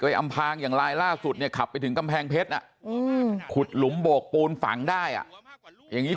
อำพางอย่างลายล่าสุดเนี่ยขับไปถึงกำแพงเพชรขุดหลุมโบกปูนฝังได้อย่างนี้